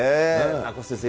名越先生